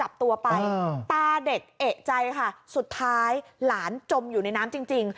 โอ้โฮเด็กผู้หญิง